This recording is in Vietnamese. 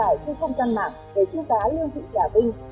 tài trên không gian mạng về trung tá lương thị trà vinh